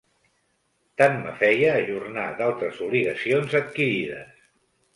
Tant me feia ajornar d'altres obligacions adquirides.